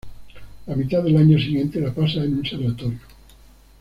La mitad del año siguiente la pasa en un sanatorio.